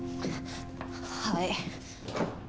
はい。